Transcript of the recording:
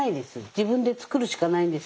自分でつくるしかないんです。